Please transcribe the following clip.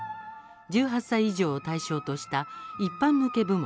１８歳以上を対象とした一般向け部門。